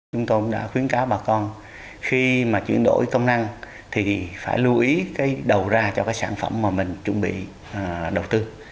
chúng tôi cũng đã khuyến cáo bà con khi mà chuyển đổi công năng thì phải lưu ý cái đầu ra cho cái sản phẩm mà mình chuẩn bị đầu tư